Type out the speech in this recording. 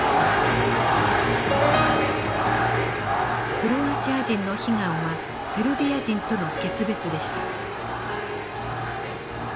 クロアチア人の悲願はセルビア人との決別でした。